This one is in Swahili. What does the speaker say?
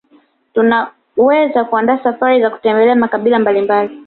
Tunaweza kuandaa safari za kutembelea makabila mbalimbali